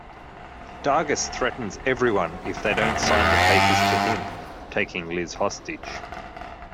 Dargis threatens everyone if they don't sign the papers to him, taking Liz hostage.